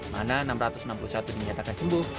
mana enam ratus enam puluh satu dinyatakan sembuh